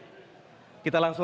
pilihan video dari capres satu